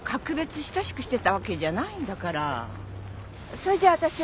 それじゃあ私は。